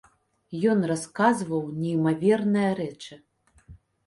Ён расказваў неймаверныя рэчы.